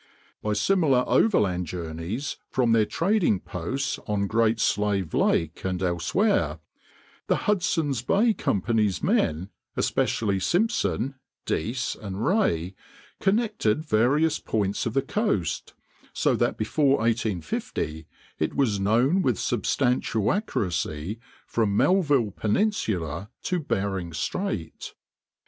By similar overland journeys from their trading posts on Great Slave Lake and elsewhere, the Hudson's Bay Company's men, especially Simpson, Dease, and Rae, connected various points of the coast, so that before 1850 it was known with substantial accuracy from Melville Peninsula to Bering Strait.